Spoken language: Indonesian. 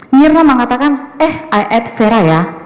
nirna mengatakan eh i add vera ya